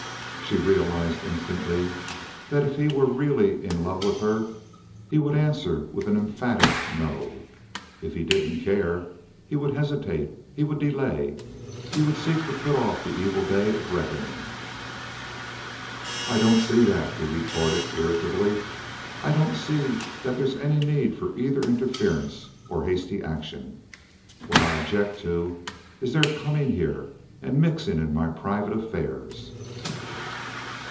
She realized instantly that if he were really in love with her he would answer with an emphatic "no." If he didn't care, he would hesitate, he would delay, he would seek to put off the evil day of reckoning. "I don't see that," he retorted irritably. "I don't see that there's any need for either interference or hasty action. What I object to is their coming here and mixing in my private affairs."